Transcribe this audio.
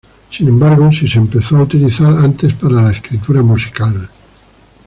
Sin embargo si se empezó a utilizar antes para la escritura musical.